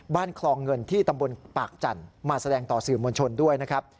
คลองเงินที่ตำบลปากจันทร์มาแสดงต่อสื่อมวลชนด้วยนะครับ